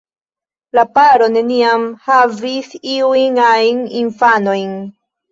La paro neniam havis iujn ajn infanojn.